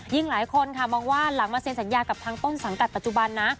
หลายคนค่ะมองว่าหลังมาเซ็นสัญญากับทางต้นสังกัดปัจจุบันนะ